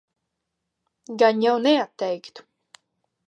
Gan jau neatteiktu.